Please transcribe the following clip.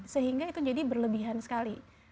sehingga itu jadi berlebihan sekali